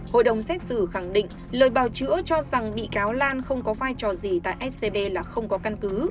hội đồng xét xử khẳng định lời bào chữa cho rằng bị cáo lan không có vai trò gì tại scb là không có căn cứ